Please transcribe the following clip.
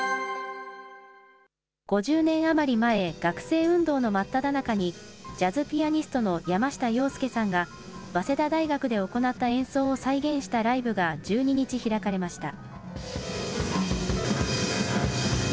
５０年余り前、学生運動の真っただ中に、ジャズピアニストの山下洋輔さんが、早稲田大学で行った演奏を再現したライブが１２日、開かれました。